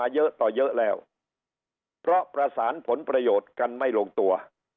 เยอะต่อเยอะแล้วเพราะประสานผลประโยชน์กันไม่ลงตัว